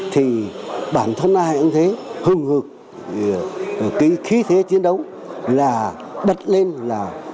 thì bản thân ai cũng thế hừng hực cái khí thế chiến đấu là đặt lên là